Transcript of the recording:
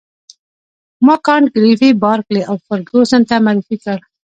ما کانت ګریفي بارکلي او فرګوسن ته معرفي کړ.